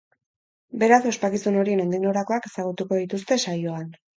Beraz, ospakizun horien nondik norakoak ezagutuko dituzte saioan.